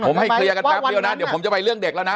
ผมให้เคลียร์กันแป๊บเดียวนะเดี๋ยวผมจะไปเรื่องเด็กแล้วนะ